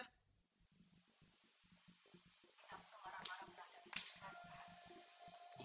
sabtu maram maram berasa dikhuslan pak